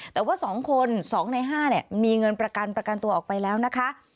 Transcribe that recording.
แต่ว่า๒คน๒ใน๕มีเงินประกันประกันตัวออกไปแล้วนะคะ